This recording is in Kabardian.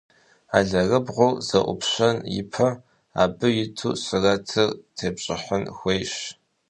Алэрыбгъур зэIупщэн ипэ, абы итыну сурэтыр тепщIыхьын хуейщ.